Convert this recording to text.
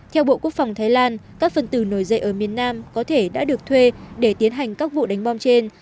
theo bộ quốc phòng thái lan các phần tử nổi dậy ở miền nam có thể đã được thuê để tiến hành các vụ đánh bom trên